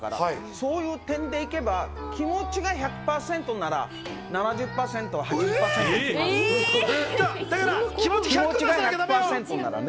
そういう点で言えば、気持ちが１００％なら７０％は気持ちが１００％ならね。